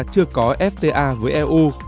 chưa có fta với eu